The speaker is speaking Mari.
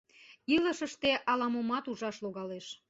Илышыште ала-момат ужаш логалеш».